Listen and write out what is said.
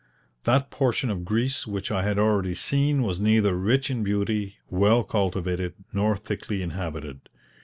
That portion of Greece which I had already seen was neither rich in beauty, well cultivated, nor thickly inhabited.